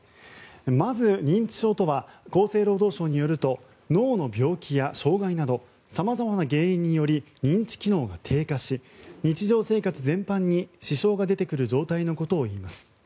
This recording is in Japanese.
まず、認知症とは厚生労働省によると脳の病気や障害などさまざまな原因により認知機能が低下し日常生活全般に支障が出てくる状態のことをいいます。